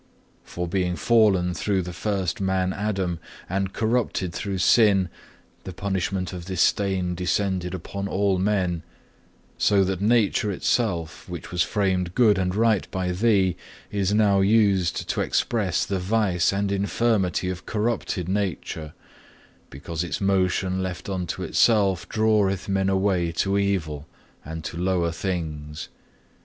For being fallen through the first man Adam, and corrupted through sin, the punishment of this stain descended upon all men; so that Nature itself, which was framed good and right by Thee, is now used to express the vice and infirmity of corrupted Nature; because its motion left unto itself draweth men away to evil and to lower things.